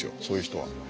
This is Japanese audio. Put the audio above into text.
そういう人は。